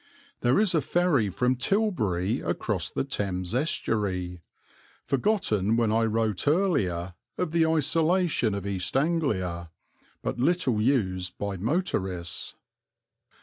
There is a ferry from Tilbury across the Thames estuary, forgotten when I wrote earlier of the isolation of East Anglia, but little used by motorists.